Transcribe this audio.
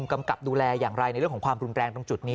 กำกับดูแลอย่างไรในเรื่องของความรุนแรงตรงจุดนี้